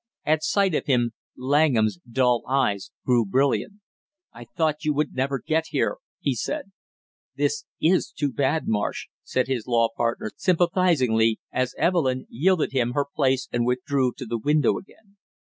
At sight of him, Langham's dull eyes grew brilliant. "I thought you would never get here!" he said. "This is too bad, Marsh!" said his law partner sympathizingly, as Evelyn yielded him her place and withdrew to the window again.